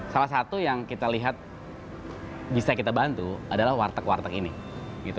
salah satu yang kita lihat bisa kita bantu adalah warteg warteg ini